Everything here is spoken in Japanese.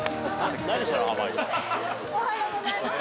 おはようございます。